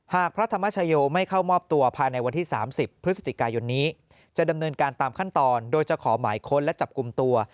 พระธรรมชโยไม่เข้ามอบตัวภายในวันที่๓๐พฤศจิกายนนี้จะดำเนินการตามขั้นตอนโดยจะขอหมายค้นและจับกลุ่มตัว